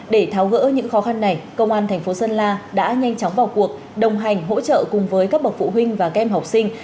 để tháo gỡ những khó khăn này công an thành phố sơn la đã nhanh chóng vào cuộc đồng hành hỗ trợ cùng với các bậc phụ huynh và các em học sinh